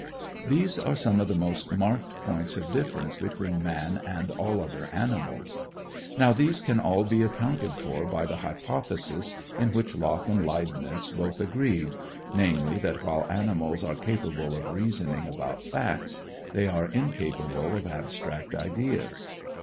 These are some of the most marked points of difference between man and all other animals. Now these can all be accounted for by the hypothesis in which Locke and Leibnitz both agreed; namely, that while animals are capable of reasoning about facts, they are incapable of abstract ideas.